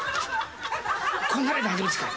これなら大丈夫ですから。